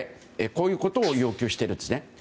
こういうことを要求しているんですね。